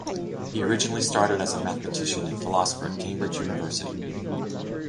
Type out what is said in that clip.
He originally started as a mathematician and philosopher at Cambridge University.